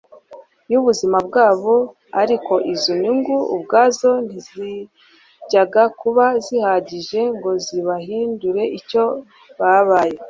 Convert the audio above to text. y'ubuzima bwabo, ariko izo nyungu ubwazo ntizajyaga kuba zihagije ngo zibahindure icyo babaye